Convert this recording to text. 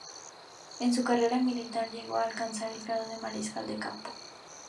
En su carrera militar llegó a alcanzar el grado de mariscal de campo.